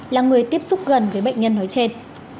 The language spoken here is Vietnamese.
là người tiếp xúc gần với bệnh nhân nói trên